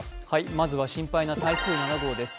まずは心配な台風７号です。